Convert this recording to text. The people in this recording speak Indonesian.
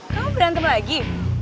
kamu berantem lagi